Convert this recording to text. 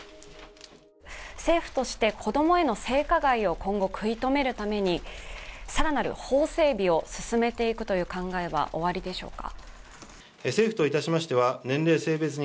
政府として子供への性加害を今後食い止めるために更なる法整備を進めていくというお考えはおありでしょうか？